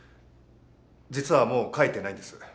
実はもう書いてないんです。